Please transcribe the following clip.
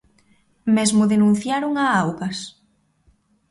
Mesmo denunciaron a augas.